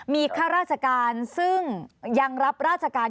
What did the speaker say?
มีข้าราชการซึ่งยังรับราชการ